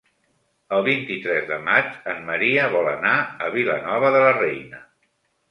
El vint-i-tres de maig en Maria vol anar a Vilanova de la Reina.